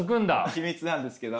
秘密なんですけど。